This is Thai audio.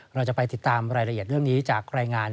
เราจะไปติดตามรายละเอียดเรื่องนี้จากรายงาน